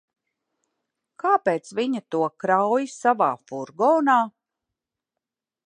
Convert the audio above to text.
Kāpēc viņa to krauj savā furgonā?